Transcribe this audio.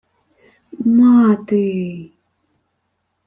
— Мати...